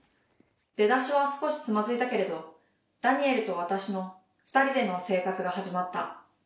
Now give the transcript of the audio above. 出だしは少しつまずいたけれどダニエルと私の２人での生活が始まった。